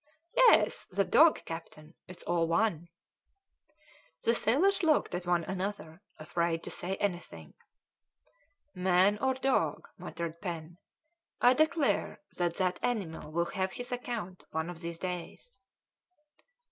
"Yes, the dog captain it's all one." The sailors looked at one another, afraid to say anything. "Man or dog," muttered Pen, "I declare that that animal will have his account one of these days."